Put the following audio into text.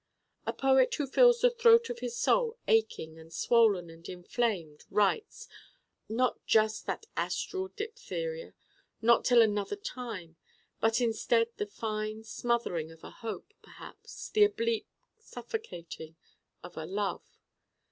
A poet who feels the throat of his soul aching and swollen and inflamed writes not just that astral diphtheria, not till another time: but instead the fine smothering of a hope, perhaps, the oblique suffocating of a love.